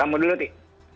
kamu dulu ti